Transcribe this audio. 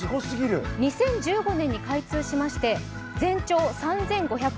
２０１５年に開通しまして、全長３４５０ｍ。